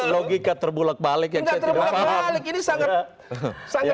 logika terbulat balik yang saya